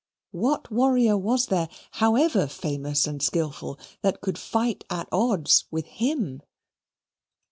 What warrior was there, however famous and skilful, that could fight at odds with him?